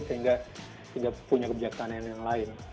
sehingga tidak punya kebijaksanaan yang lain